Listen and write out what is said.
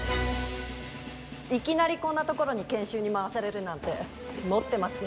いきなりこんなところに研修に回されるなんてもってますね